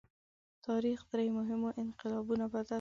تاریخ درې مهمو انقلابونو بدل کړ.